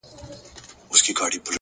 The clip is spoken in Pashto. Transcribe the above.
نظم د وړتیا ساتونکی دی,